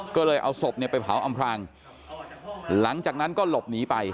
ก็เลยเอาศพเนี่ยไปเผาอำพลางหลังจากนั้นก็หลบหนีไป